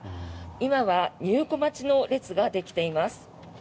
今は入庫待ちの列ができています。